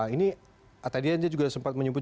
ini tadi anda juga sempat menyebut